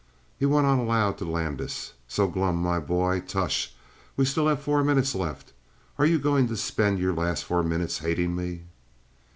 He went on aloud to Landis: "So glum, my boy? Tush! We have still four minutes left. Are you going to spend your last four minutes hating me?"